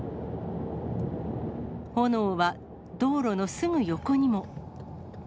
炎は道路のすぐ横にも。